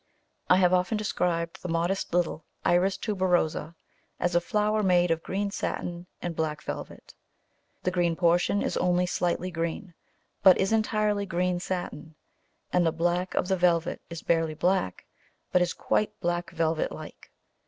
I have often described the modest little Iris tuberosa as a flower made of green satin and black velvet. The green portion is only slightly green, but is entirely green satin, and the black of the velvet is barely black, but is quite black velvet like.